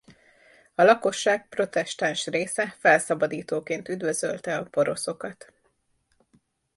A lakosság protestáns része felszabadítóként üdvözölte a poroszokat.